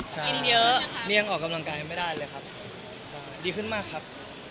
กินเยอะเลี่ยงออกกำลังกายไม่ได้เลยครับดีขึ้นมากครับ